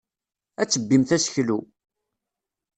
Ad tebbimt aseklu.